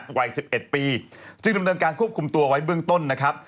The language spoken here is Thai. วัย๑๑ปีซึ่งดำเนินการควบคุมตัวไว้เบื้องต้นนะครับ